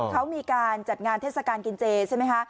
เขามีการจัดงานเทศกาลกินเจใช่ไหมคะ